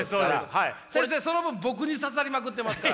先生その分僕に刺さりまくってますから。